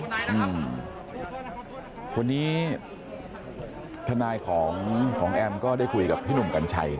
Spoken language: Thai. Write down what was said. วันนี้ทนายของแอมก็ได้คุยกับพี่หนุ่มกัญชัย